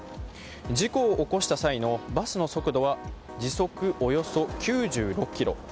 事故を起こした際のバスの速度は時速およそ９６キロ。